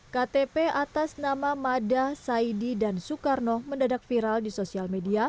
ktp atas nama mada saidi dan soekarno mendadak viral di sosial media